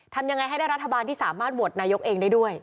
ทำยังไงให้ได้รัฐบาลที่สามารถโหวตนายกเองได้ด้วย